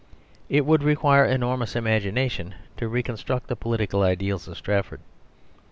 It would require enormous imagination to reconstruct the political ideals of Strafford.